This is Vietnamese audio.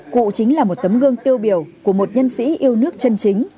cụ chính là một tấm gương tiêu biểu của một nhân sĩ yêu nước chân chính